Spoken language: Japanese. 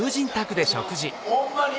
ホンマに！